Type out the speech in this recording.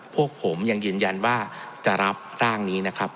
พวกผมยังยืนยันว่าจะรับร่างนี้นะครับ